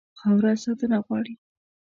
خاوره ساتنه غواړي.